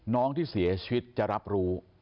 น้องที่เสียชีวิตจะรับรู้